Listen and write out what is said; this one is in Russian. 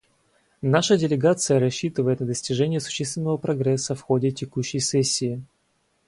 Наша делегация рассчитывает на достижение существенного прогресса в ходе текущей сессии.